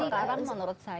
kalau itu tadi kan